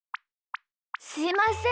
すいません。